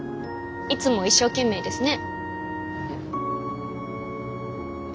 いつも一生懸命ですね。